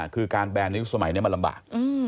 คือการแบนในยุคสมัยนี้มันลำบาก